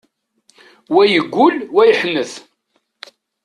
Wa yeggul, wa yeḥnet.